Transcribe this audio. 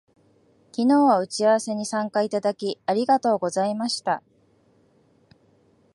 昨日は打ち合わせに参加いただき、ありがとうございました